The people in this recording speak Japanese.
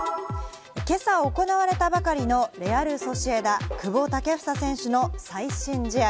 今朝行われたばかりのレアル・ソシエダ、久保建英選手の最新試合。